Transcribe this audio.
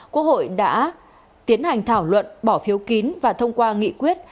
quốc hội đã tiến hành thảo luận bỏ phiếu kín và thông qua nghị quyết